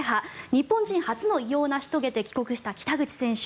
日本人初の偉業を成し遂げて帰国した北口選手。